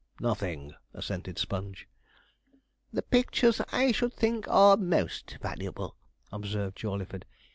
'Nothing,' assented Sponge. 'The pictures I should think are most valuable,' observed Jawleyford.